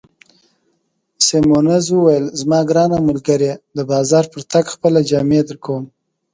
سیمونز وویل: زما ګرانه ملګرې، د بازار پر تګ خپله جامې درکوم.